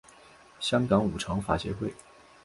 香港五常法协会